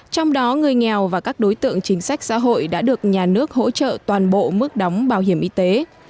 trong đó người nghèo và các đối tượng chính sách xã hội đã được nhà nước hỗ trợ toàn bộ mức đóng bảo hiểm y tế